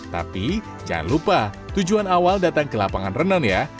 tapi jangan lupa tujuan awal datang ke lapangan renon ya